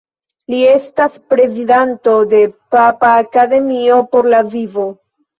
Li estas prezidanto de Papa Akademio por la vivo.